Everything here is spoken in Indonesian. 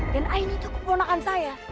dan aini itu keponakan saya